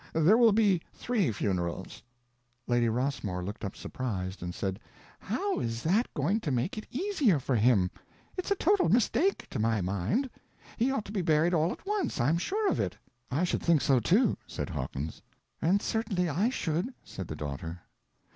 There will be three funerals." Lady Rossmore looked up surprised, and said: "How is that going to make it easier for him? It's a total mistake, to my mind. He ought to be buried all at once; I'm sure of it." "I should think so, too," said Hawkins. "And certainly I should," said the daughter.